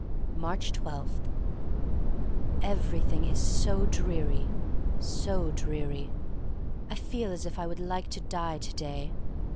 Aatcb 12* EVERYTHING is so dreary— so dreary. I feel as if I would like to die to day.